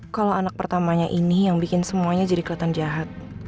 kalau anak pertamanya ini yang bikin semuanya jadi kelihatan jahat